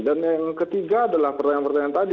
dan yang ketiga adalah pertanyaan pertanyaan tadi